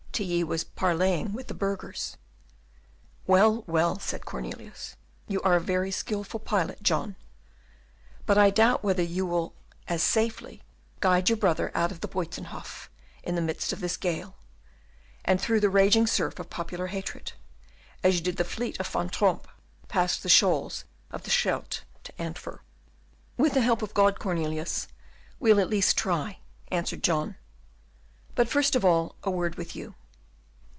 Tilly was parleying with the burghers. "Well, well," said Cornelius, "you are a very skilful pilot, John; but I doubt whether you will as safely guide your brother out of the Buytenhof in the midst of this gale, and through the raging surf of popular hatred, as you did the fleet of Van Tromp past the shoals of the Scheldt to Antwerp." "With the help of God, Cornelius, we'll at least try," answered John; "but, first of all, a word with you."